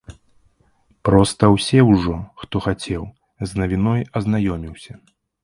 Проста ўсе ўжо, хто хацеў, з навіной азнаёміўся.